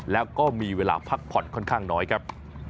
แล้วก็มีเวลาพักผ่อนค่อนข้างน้อยครับ